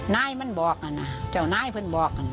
นายมันบอกกันนะเจ้านายเพื่อนบอกกัน